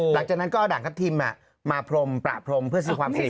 หลังจากนั้นก็เอาด่างทัพทิมมาพรมประพรมเพื่อซื้อความเสี่ยง